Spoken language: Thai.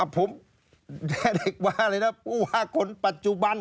ผมแค่เด็กว่าเลยนะผู้ว่าคนปัจจุบัน